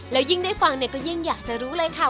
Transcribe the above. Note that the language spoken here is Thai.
แล้วยิ่งได้ฟังเนี่ยก็ยิ่งอยากจะรู้เลยค่ะ